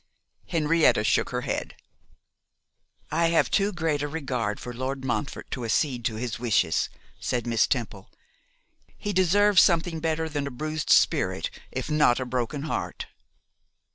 Henrietta shook her head. 'I have too great a regard for Lord Montfort to accede to his wishes,' said Miss Temple. 'He deserves something better than a bruised spirit, if not a broken heart.